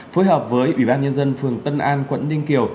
phối hợp với ủy ban nhân dân phường tân an quận ninh kiều